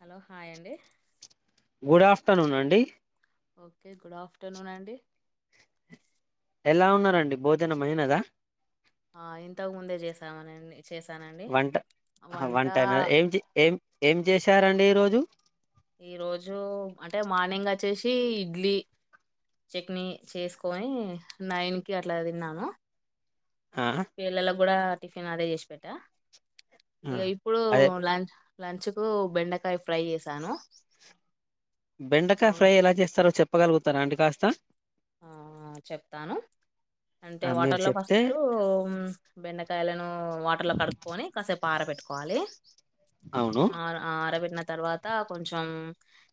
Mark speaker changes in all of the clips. Speaker 1: Hello hi అండి
Speaker 2: చెస్తానునండి
Speaker 1: okay good afternoon అండి
Speaker 2: ఎలా ఉన్నారంండి భోజనమైనదా
Speaker 1: ఆ ఇంతకు ముందే చేసామన
Speaker 2: వన్ వన్ టై ఏ చేశారండి ఈ రోజు
Speaker 1: ఈరోజు అంటే మార్నింగ్ వచ్చేసి ఇడ్లీ చట్నీ చేసుకొని నైన్కి అట్లా తిన్నాము.
Speaker 2: ఆ
Speaker 1: పిల్లలకు కూడా టిఫిన్ అదే చేసి పెట్ట
Speaker 2: ఆ
Speaker 1: ఇంకా ఇప్పుడు
Speaker 2: అదే
Speaker 1: లాంచ్ లంచ్కు బెండకాయ ఫ్రై చేశాను. ఆ,
Speaker 2: బెండకాయ ఫ్రై ఎలా చేస్తారో చెప్పు చెప్పగలుగుతారా అండి కాస్త
Speaker 1: చెప్తాను అంటే
Speaker 2: ఆ మీరు
Speaker 1: వాటర్లో
Speaker 2: చెప్తే
Speaker 1: ఫస్ట్ బెండకాయాలను వాటర్ లో కడుక్కొని కాసేపు ఆరబెట్టుకోవాలి
Speaker 2: అవును
Speaker 1: ప ఆ అర పెట్టిన తర్వాత కొంచం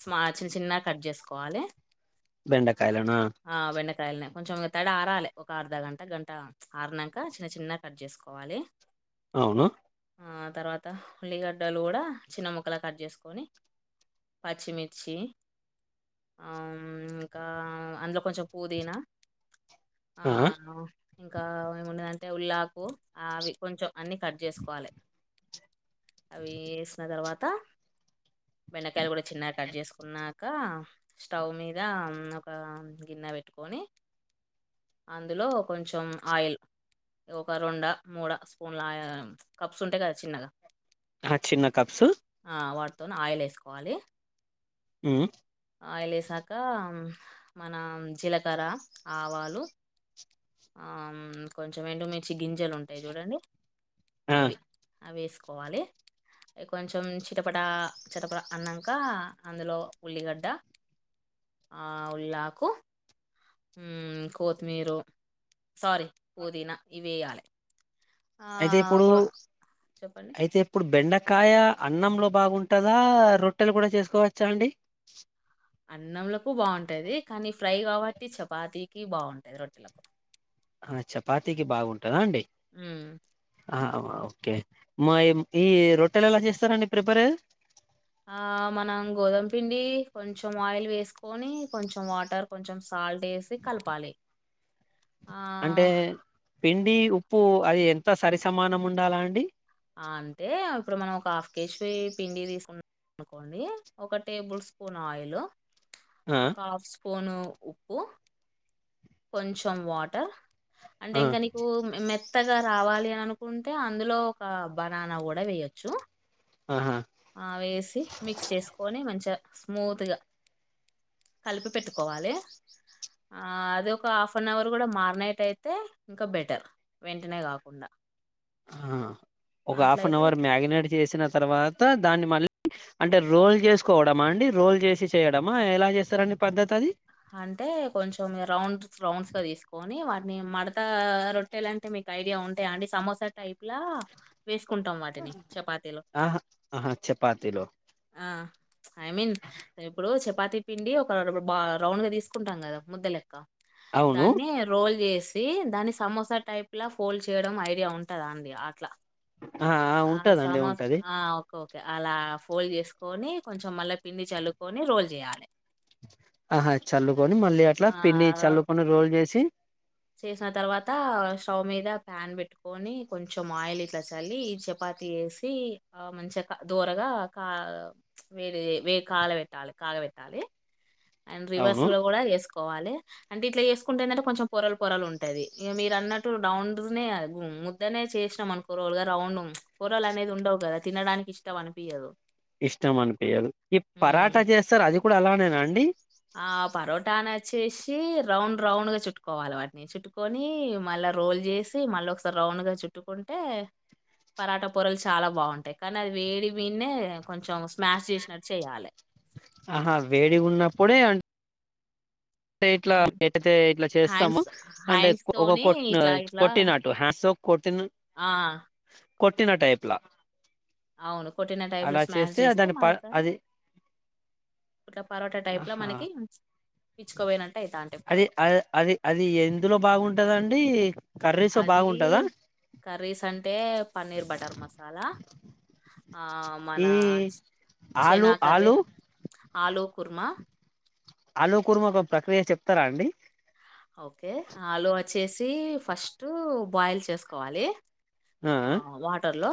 Speaker 1: స్మా చిన్న చిన్న కట్ చేసుకోవాలి.
Speaker 2: బెండకాయలనా
Speaker 1: ఆహ్ బెండకాయలని కొంచెం తడి ఆరాలి ఒక అర్ధ గంట గంట ప్చ్ ఆరినాక చిన్న చిన్న కట్ చేసుకోవాలి.
Speaker 2: అవునా
Speaker 1: తర్వాత ఉల్లిగడ్డలు కూడా చిన్న ముక్కలా కట్ చేసుకొని పచ్చిమిర్చి ఉమ్ ఇంకా అందులో కొంచెం పుదీనా
Speaker 2: ఆ
Speaker 1: ఆహ్ ఇంకా ఏమున్నాదంటే ఉల్లాకు అవి కొంచెం అన్ని కట్ చేసుకోవాలి. అవిస్ ఏసిన తర్వాత త బెండకాయలు కూడా చిన్నగా కట్ చేసుకున్నాక స్టవ్ మీద ఉమ్ ఒక గిన్నె పెట్టుకొని అందులో కొంచెం ఆయిల్ ఒక రెండ మూడ స్పూన్ల ఆయిల్ కప్స్ ఉంటాయి కదా చిన్నగా
Speaker 2: ఆ చిన్న కప్సు
Speaker 1: త ఆయిల్ వేసుకోవాలి
Speaker 2: ఉమ్
Speaker 1: ఆయిలేసాక మన జీలకర్ర ఆవాలు ఆమ్ కొంచెం ఎండుమిర్చి గింజలు ఉంటాయి చూడండి
Speaker 2: ఆ
Speaker 1: అవి అవెసుకో కోవాలి కొంచెం చిటపట చిటపట అన్నాక అందులో ఉల్లిగడ్డ ఉల్లాకు కు ఉమ్ కొత్తిమీర్ సారీ పుదీనా ఇవి వేయాలి ఆ
Speaker 2: అయితే ఇప్పుడు
Speaker 1: కొ- చెప్పండి
Speaker 2: అయితే ఇప్పుడు బెండ కాయ అన్నంలో బాగుంటాదా రొట్టెలు కూడా చేసుకోవచ్చా అండి
Speaker 1: అన్నంలకు బాగుంటాది కానీ ఫ్రై కాబట్టి చపాతికి బాగుంటాది రొట్టెలకు
Speaker 2: ఆ చపాతికి బాగుంటాదా అండి
Speaker 1: ఉమ్
Speaker 2: ఓకే మా ఈ రొట్టెలు ఎలా చేస్తారండి ప్రిపేర్
Speaker 1: ఆ మనం గోధుమ పిండి కొంచెం ఆయిల్ వేసుకొని కొంచెం వాటర్ కొంచెం సాల్డేస్ కలపాలి
Speaker 2: అంటే
Speaker 1: ఆహ్,
Speaker 2: పిం డి ఉప్పు అది ఎంత సరి సమానం ఉండాలా అండి
Speaker 1: అంటే ఇప్పుడు మనం ఒక హాఫ్ కేేశవిీ పిండి తీసుకుంటాం అనుకోండి ఒక టేబుల్ స్పూన్ ఆయిల్
Speaker 2: ఆ
Speaker 1: అకాశ పోను ఉప్పు కొంచెం వాటర్ అంటే
Speaker 2: ఆ
Speaker 1: ఇంకా నీకు మె కొత్తగా రావాలి అని అనుకుంటే అందులో ఒక బనానా కూడా వేయచ్చు
Speaker 2: ఆహా
Speaker 1: ఆ వేసి మిక్స్ చేసుకొని మంచిగా స్మూత్గా కలిపి పెట్టుకోవాలి ఆ అది ఒక హాఫ్ అన్ అవర్ కూడా మారినట్యితే ఇంకా బెటర్ వెంటనే కాకుండా
Speaker 2: అ ఒక హాఫ్ అన్
Speaker 1: అట్లయితే
Speaker 2: అవర్ మ్యారినేట్ చేసిన తర్వా త దాన్ని మళ్ళీ అంటే రోల్ చేసుకోవడమా అండి రోల్ చేసి చేయడమా ఎలా చేస్తారని పద్ధతి అది
Speaker 1: అంటే కొంచెం రౌండ్స్ రౌండ్స్ గా తీసుకొని వాటిని మడత రొట్టెలా అంటే మీకు ఐడియా ఉంటాయా అండి సమోసా టైప్ లా వే
Speaker 2: ఆహా ఆహా చపాతిలో
Speaker 1: ఆ ఐ మీన్ ఇప్పుడు చపాతి పిండి ఒక బా రౌండ గా తీసుకుంటాం కదా ముద్దలెక్క
Speaker 2: అవును
Speaker 1: దాన్ని రోల్ చే సి దాని సమోసా టైప్ ఫోల్డ్ చేయడం ఐడియా ఉంటందా అండి అట్లా
Speaker 2: ఆ ఆ ఉంటదండి
Speaker 1: సమోస
Speaker 2: ఉంటది
Speaker 1: ఆ! ఓకే. ఓకే అలా ఫోల్డ్ చేసుకొని కొంచం మళ్ళా పిండి చల్లుకొని రోల్ చేయాలి
Speaker 2: ఆహా చల్లుకొని మళ్ళీ అట్లా పిండి
Speaker 1: ఆహ్,
Speaker 2: చల్లుకొని రోల్ చేసి
Speaker 1: చేసిన తర్వాత స్టవ్ మీద ప్యాన్ పెట్టుకొని కొంచెం ఆయిల్ ఇట్లా చల్లి ఈ చపాతి వేసి మంచిగా దోరగా కా వేడి వే కాలుబెట్టాలి కాలుబెట్టాలి అండ్ రివర్స్
Speaker 2: అవును
Speaker 1: లో కూడా వేసుకోవాలి అంటే ఇట్లా చేసుకుంటే ఏంటే కొంచెం పొరలు పొరలు ఉంటాది ఇక మీరు అన్నట్టు రౌండ్నే ముద్దనే చేసాంమను కూరలుగా రౌండ్ కూరలు అనేది ఉండవు కదా తినడానికి ఇష్టం అనిపియదు
Speaker 2: ఇష్టం అనిపియి ఈ పరాట
Speaker 1: హ్మ్.
Speaker 2: చేస్తారు అది కూడా అలానేనా అండి
Speaker 1: ఆ పరోటాన వచ్చేసి రౌండ్ రౌండ్గా చుట్టుకోవాలి వాటిని చుట్టుకొని మళ్ళీ రోల్ చేసి మళ్ళీ ఒకసారి రౌండ్గా చుట్టుకుంటే పరాటా పొరలు చాలా బాగుంటాయి కానీ అది వేడి బీన్న కొంచెం స్మాష్ చేసినట్టు చేయాలి
Speaker 2: ఆహా వేడి ఉన్నప్పుడే అం ఇట్లా ఎట్తే ఇట్లా చేస్తాము
Speaker 1: హ్యాండ్స్
Speaker 2: అంటే
Speaker 1: హ్యాండ్స్
Speaker 2: ఒక
Speaker 1: తోని
Speaker 2: కొట్
Speaker 1: ఇట్లా ఇట్లా
Speaker 2: కొట్టినటు హ్యాండ్స్ కొట్టి
Speaker 1: ఆ
Speaker 2: కొట్టిన టైప్లా
Speaker 1: అవును కొట్టిన టైప్లో స్మాష్ చేస్తే
Speaker 2: దాని ప
Speaker 1: మనకు
Speaker 2: అది
Speaker 1: ఇట్లా పరోట టైప్లో
Speaker 2: ఆహా
Speaker 1: మనకి పిచ్చుకోపోయినట్టు అవుతా అంటే
Speaker 2: అది
Speaker 1: పొరలు
Speaker 2: అ అది అది ఎందులో బాగుంటదండి రీ
Speaker 1: అది కర్రీస్ అంటే పన్నీర్ బటర్ మసాలా ఆ మన
Speaker 2: ఈ ఆలు
Speaker 1: చెనా కర్రీ
Speaker 2: ఆలు
Speaker 1: ఆలూ కుర్మ
Speaker 2: ఆలుకుర్మ మాకు ప్రక్రియ చెప్తారా అండి
Speaker 1: ఓకే ఆలు వచ్చేసి ఫస్ట్ బాయిల్ చేసుకోవాలి ఆ వాటర్ లో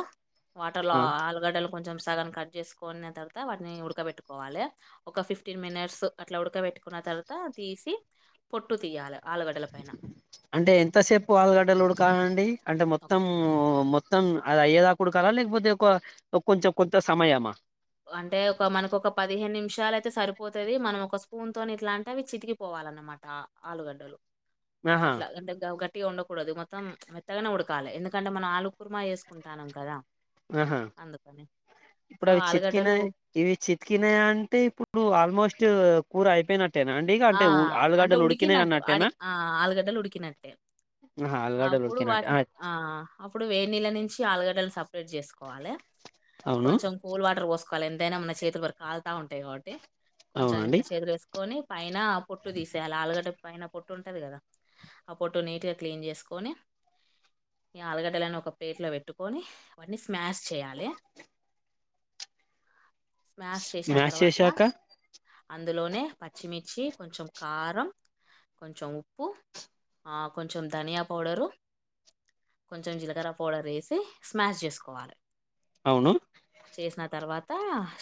Speaker 1: వాటర్ లో
Speaker 2: ఆ
Speaker 1: ఆలుగడ్డలు కొంచెం సగ కట్ చేసుకున్న తర్వాత వాటిని ఉడకబెట్టుకోవాలి ఒక ఫిఫ్టీన్ మినిట్స్ అట్లా ఉడకబెట్టుకున్న తర్వాత తీసి పొ ట్టు తియాల
Speaker 2: అంటే ఎంతసేపు ఆలుగడ్డలు ఉడకాలి అండి అంటే
Speaker 1: ఒక
Speaker 2: మొత్తం మొ మొత్తం అది అయ్యెదాక ఉడుకాలా లేకపోతే ఒక కొంచెం కొంత సమయామా
Speaker 1: అంటే ఒక మనకు ఒక పదిహేను నిమిషాలయితే సరిపోతది మనం ఒక స్పూన్ తోని ఇట్లా అంటే అవి చితికిపోవాలన్నమాట అ ఆలుగడ్డలు
Speaker 2: ఆహా
Speaker 1: అట్లా గ ట్టిగా ఉండకూడదు మొత్తం మెత్తగానే ఉడకాలి ఎందుకంటే మనం ఆలు కుర్మా చేసుకుంటాన్నం కదా
Speaker 2: ఆహా
Speaker 1: అందుకని. సో,
Speaker 2: ఇప్పుడే వచ్చి
Speaker 1: ఆలుగడ్డలు
Speaker 2: ఇవి చితికినాయి అంటే ఇప్పుడు ఆల్మోస్ ట్ కూర అయిపోయి
Speaker 1: ఆ అంటే ఉడికినట్టు అడి
Speaker 2: అన్నట్టేనా
Speaker 1: ఆ ఆలుగడ్డలు ఉడికినట్టే
Speaker 2: ఆహా ఆలుగడ్డలు
Speaker 1: అప్పుడు
Speaker 2: ఉడికినట్టే
Speaker 1: వాటిని ఆ అప్పుడు వేడి నీళ్ళ నుంచి ఆలుగడ్డలు సపరేట్ చేసు కోవాలి
Speaker 2: అవును
Speaker 1: కొంచెం కూల్ వాటర్ పో సుకోవాలి ఎంతైనా మన చేతులు వరకు కాలుతా ఉంటాయి కాబట్టి కొంచెం
Speaker 2: అవునండి
Speaker 1: ఇంకా చేతులు వేసుకొని పైన పొట్టు తీసేయాల ఆలుగడ్డ పైన పొట్టు ఉంటంది కదా ఆ పొట్టు నీట్గా క్లీన్ చేసుకొని ఈ ఆలుగడ్డలని ఒక ప్లేట్లో పెట్టుకొని అవన్నీ స్ మాష్ చేయాలి స్మాష్ చేసిన
Speaker 2: మ్యాష్
Speaker 1: తర్వాత
Speaker 2: చేశాక
Speaker 1: అందులోనే పచ్చిమిర్చి కొంచెం కారం కొంచెం ఉప్పు ఆ కొంచెం ధనియా పౌడరు కొంచెం జీలకర్ర పౌడర్ వేసి స్మాష్ చేసుకోవాలి
Speaker 2: అవును
Speaker 1: చేసిన తర్వాత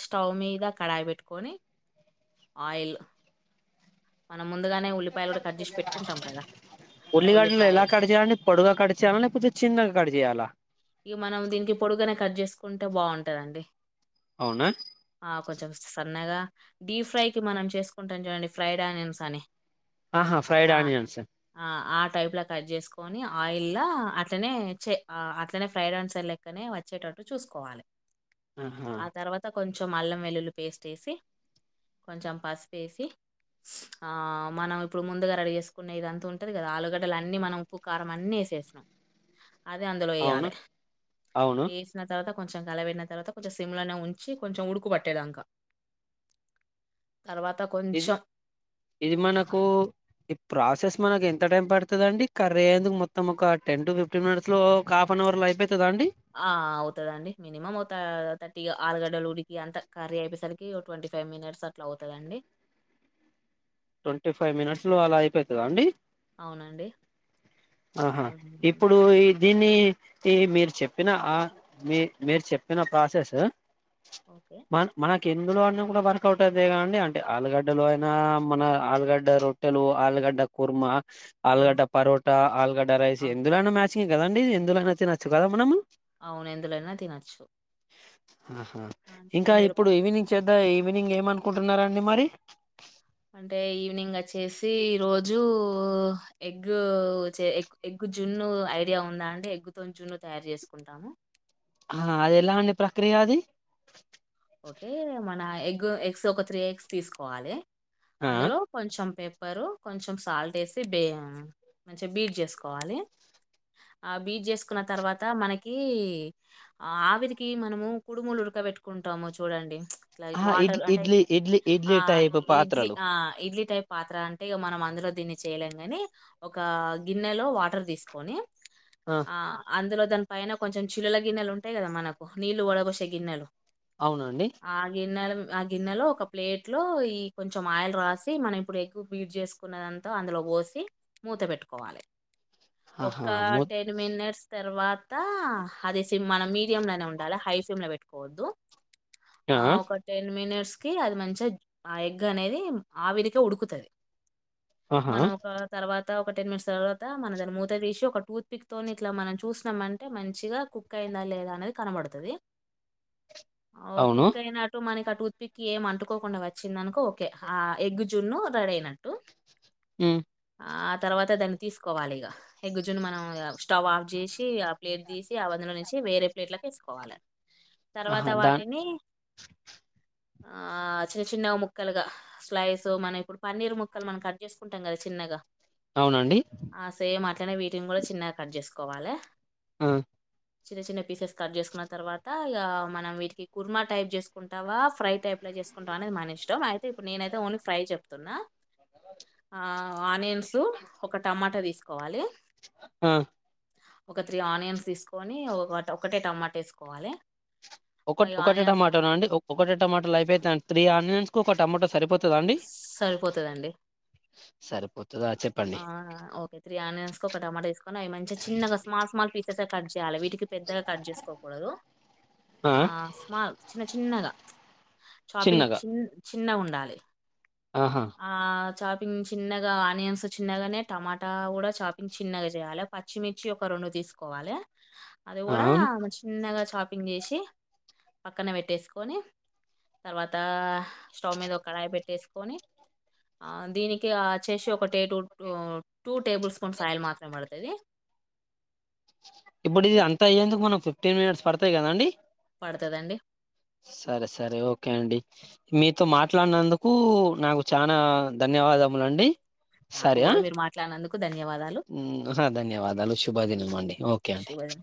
Speaker 1: స్టవ్ మీద కడాయి పెట్టుకొని ఆయిల్ మనం ముందుగానే ఉల్లిపాయలు కూడా కట్ చేసి పెట్టుకుంటాం కదా ఆ
Speaker 2: ఉల్లిగడ్డ లు
Speaker 1: ఉల్లిపాయ
Speaker 2: ఎలా కట్ చేయాలండి పొడుగ్గా కట్ చేయాలా లేకపోతే చిన్నగా కట్ చేయాలా
Speaker 1: ఇక మనం దీనికి పొడుగనే కట్ చేసుకుంటే బాగుంటది అండి
Speaker 2: అవునా
Speaker 1: కొంచెం సన్నగా డీ ఫ్రై కి మనం చేసుకుంటాం చూడండి ఫ్రైడ్ ఆనియన్స్ అని
Speaker 2: ఆహా ఫ్రైడ్ ఆనియన్స్
Speaker 1: టై కట్ చేసుకని ఆయిల్ అట్నే అట్ ఫ్రైడ్ రన్స్ళ్ లెక్కనే వచ్చేటట్టు చూసుకోవాలి
Speaker 2: ఆహా
Speaker 1: ఆ తర్వాత కొంచం కొంచెం అల్లం వెల్లుల్లి పేస్ట్ వేసి కొంచెం పసుపుేసి మనం ఇప్పుడు ముందుగా రెడ చేేసుకునే ఇది అంతా ఉంటుంది కదా ఆలుగడ్డలు అన్నీ మనం ఉప్పు కారం అన్నీ వేసేసినాం అదే అందులో
Speaker 2: అవును
Speaker 1: వయ్యాలి
Speaker 2: అవును
Speaker 1: ఏస్తునా చత కొంచెం కలవన తర్వాత కొంచెం సిమ్లోనే ఉంచి కొంచెం ఉడుకు పట్టేదక
Speaker 2: ఇది ఇది మనకు ఈ ప్రాసెస్ మనకి ఎంత టైం పడుతుంద అండి కర్ర అయేందుకు మొత్తం ఒక టెన్ టు ఫి్టీన్ మినిట్స్ లో హాఫ్ అన్ అవర్ లో అయిపోయి
Speaker 1: ఆ అవుతుదండి మినిమం ఒక థర్టీగా ఆలుగడ్డల ఉడికి అంతా కర్రీ అయిపోేసరికి ట్వంటీ ఫైవ్ మినిట్స్ అట్లా అవుతుందండి
Speaker 2: ట్వంటీ ఫైవ్ మినిట్ లో అలా అయిపోతుందా అండి
Speaker 1: అవునండి
Speaker 2: ఆహా
Speaker 1: ఉమ్,
Speaker 2: ఇప్పుడు దీన్ని ఈ మీరు చెప్పిన ఆ మీ మీరు చెప్పిన ప్రాసెస్
Speaker 1: ఓకే
Speaker 2: మ మన కిందులో అన్న కూడా వర్క్ అవుట్ అదే క అండి అంటే ఆలుగడ్డలో అయినా మన ఆలుగడ్డ రొట్టెలు ఆలుగడ్డ కుర్మ ఆల్గడ
Speaker 1: ఉమ్,
Speaker 2: పొరోట ఆల్గడ రైస్
Speaker 1: అవును
Speaker 2: ఎందులో నచ్చ కదండి ఇ ఎందులో అయితే నచ్చు కదా మనము
Speaker 1: అవును, ఎందులోనైనా తినొచ్చు
Speaker 2: ఆహా
Speaker 1: అంటే ఇగ
Speaker 2: ఇంకా
Speaker 1: మీరు
Speaker 2: ఇప్పుడు ఈవినింగ్ చేద్ద ఈవినింగ్ ఏమనుకుంటున్నారంండి మరి
Speaker 1: అంటే ఈవినింగ్ వచ్చేసి ఈరోోజు ఎగ్ ఎ ఎగ్ జున్ను ఐడియా ఉందా అంటే ఎగ్గుతో జున్ను తయారు చేసుకుంటాము
Speaker 2: ఆ అది ఎలా అండడి ప్రక్రియ అది
Speaker 1: ఓకే మ ఎగ్ ఎగ్స్ ఒక త్రీ ఎగ్స్ తీసుకోవాలి
Speaker 2: ఆ
Speaker 1: అందులో కొంచెం పే ఉప్పరు కొంచెం సాల్ట్ వేసి బ మంచిగా బీట్ చేసుకోవాలి ఆ బీట్ చేసుకున్న తర్వాత మనకి ఆవిరికి మనము కుడుములు ఉడక పెట్టుకుంట రాము చూడండి
Speaker 2: ఆ ఇడ్
Speaker 1: వాటర్ అంటే
Speaker 2: ఇడ్లీ ఇడ్లీ ఇడ్లీ
Speaker 1: ఆ
Speaker 2: టైప్
Speaker 1: ఇడ్లీ
Speaker 2: పాత్రలు
Speaker 1: ఆ ఇడ్లీ టైప్ పాత్ర అంటే ఇ మనం అందులో దీన్ని చేయలేం ని ఒక గిన్నెలో వాటర్ తీసుకొని ఆ అందులో దాని పైన కొంచెం చిల్లుల గిన్నెలు ఉంటాయి కదా మనకు నీళ్లు వడబసే గిన్నెలు
Speaker 2: అవునండి
Speaker 1: ఆగేన్నాాల ఆ గిన్నెలో ఒక ప్లేట్ లో ఈ కొంచెం ఆయిల్ రాసి మనం ఇప్పుడు ఎగ్గు బీట్ చేసుకున్నదంతా అందులో పోసి మూత పెట్టుకోవాలి ఒక
Speaker 2: ఆహా ము
Speaker 1: టెన్ మినిట్స్ తర్వాత దా అదేసి మన మీడియయం లోనే ఉండాలి హై ఫ్లేమ్ లో పెట్టుకోవద్దు ఆ ఒక టెన్ మినిట్స్ ఇది మంచిగా ఆ ఎగ్ అనేది ఆవిరికే ఉడుకుతుంది
Speaker 2: ఆహా
Speaker 1: మనం ఒక తర్వాత తత ఒక టెన్ మినిట్స్ తర్వాత మన దాన్ని టెన్ మినిట్స్ తర్వాతమూత తీసి ఒక టూత్పిక్ తోని ఇట్లా మనం చూసినామంటే మంచిగా కుక్ అయిందా లేదా అనేది కనబడుతుంది ఓ
Speaker 2: అవును
Speaker 1: కుక్కయినట్టు మనకు టూత్ పిక్ ఏం అంటుకోకుండా వచ్చిందనుకో ఓకే ఆ ఎగ్ జున్ను రెడీ అయినట్టు
Speaker 2: ఉ
Speaker 1: ఆ తర్వాత దాన్ని తీసుకోవాలి ఎగ్గు జున్ను మనం స్టవ్ ఆఫ్ చేసి ఆ ప్లేట్ తీసి ఆ వందులో నుంచి వేరే ప్లేట్లోకి వేసుకోవాలి తర్వాత
Speaker 2: ఆహా!
Speaker 1: ఉన్న
Speaker 2: దాన్
Speaker 1: వాటిలోని ఆ చిన్న చిన్నగా ముక్కలుగా స్లైస్ మనం పన్నీర్ ముక్కలు మనం కట్ చేసుకుంటాం కదా చిన్నగా
Speaker 2: అవునండి.
Speaker 1: అవీటిని కూడా చిన్నగా కట్ చేసుకోవాలి.
Speaker 2: ఆ
Speaker 1: చిన్న చిన్న పీసెస్ కట్ చేసుకున్న తర్వాత ఈగ మనం వీటికి కుర్మా టైప్ చేసుకుంటావా ఫ్రై టైప్ల చేసుకుంటావా అనేది మన ఇష్టం అయితే ఇప్పుడు నేనైతే ఓన్లీ ఫ్రై చెప్తున్నా ఆ ఆనియన్ న్స్ ఒక టమాటా తీసుకో కోవాలి
Speaker 2: ఆ
Speaker 1: ఒక త్రీ ఆనియన్స్ తీసుకొని ఒక ఒకటే టమాట వేసుకోవాలి.
Speaker 2: ఒకట్
Speaker 1: అవి
Speaker 2: ఒకటే
Speaker 1: ఆనియన్స్
Speaker 2: టమాటో అండి ఒకటే టమాటో అయిపోయితండి త్రీ ఆనియన్స్ ఒక్క టమోట సరిపోతు పోతద అండి.
Speaker 1: సరిపోతుందండి
Speaker 2: సరిపోత
Speaker 1: ఆ ఓకే త్రీ ఆనియన్స్ ఒక టమాటో తీసుకొని అవి మంచిగా చిన్నగా స్మాల్ స్మాల్ పీసెస్గా కట్ చేయాలి వీటికి పెద్దగా కట్ చేసుకోకూడదు. ఆ స్మాల్ చిన్న చిన్నగా చాపింగ్ చిన్నగా చిన్నగుండాలి.
Speaker 2: ఆహా!
Speaker 1: ఆ చాలు చిన్ చిన్నగా ఆనియన్స్ చిన్నగానే టమాటా కూడా చాపింగ్ చిన్నగా చేయాలి పచ్చిమిర్చి ఒక రెండు తీసుకోవాలే. అది
Speaker 2: ఆ!
Speaker 1: కూడా
Speaker 2: అవును.
Speaker 1: ఇగ చిన్నగా చాపింగ్ చాపింగ్ చేసి పక్కన పెట్టేసుకొని తర్వాత స్టవ్ మీదో కడాయి పెట్టేసుకొని ఆ దీనికి వచ్చేసి ఓకటే two two two tablespoons oil మాత్రమే పడతది.
Speaker 2: ఇప్పుడు ఇది
Speaker 1: ఓకే.
Speaker 2: అంత అయ్యేందుకు మనకు ఫిఫ్టీన్ మినిట్స్ పడతాయి కదాండి.
Speaker 1: పడతదండి.
Speaker 2: సరే సరే ఓకే అండి. మీతో మాట్లాడినందుకు నాకు చానా ధన్యవాదములండి.
Speaker 1: నాకు కూడా మీరు మాట్లాడినందుకు ధన్యవాదాలు.
Speaker 2: ఊ ధన్యవాదాలు శుభదినం అండి ఓకే అండి.
Speaker 1: శుభోదయం.